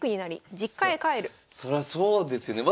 そらそうですよね。